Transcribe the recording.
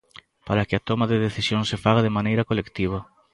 Para que a toma de decisións se faga de maneira colectiva.